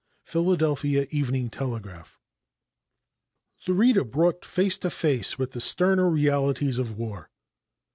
Philadelphia Evening Telegraph. The Reader "Brought Face to Face With the Sterner Realities of War."